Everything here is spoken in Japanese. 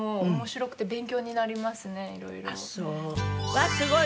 わっすごい！